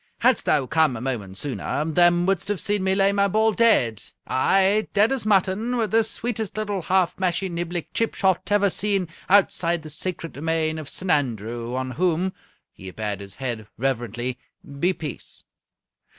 "Hadst thou come a moment sooner, them wouldst have seen me lay my ball dead aye, dead as mutton, with the sweetest little half mashie niblick chip shot ever seen outside the sacred domain of S'nandrew, on whom" he bared his head reverently "be peace!